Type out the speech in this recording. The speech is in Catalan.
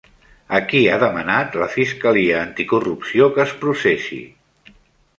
A qui ha demanat la fiscalia anticorrupció que es processi?